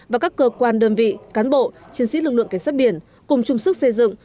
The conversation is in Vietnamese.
và các cơ quan đơn vị cán bộ chiến sĩ lực lượng cảnh sát biển cùng chung sức xây dựng